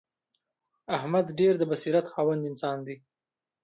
احمد ډېر د بصیرت خاوند انسان دی.